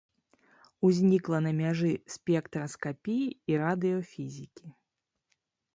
Узнікла на мяжы спектраскапіі і радыёфізікі.